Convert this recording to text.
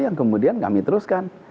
yang kemudian kami teruskan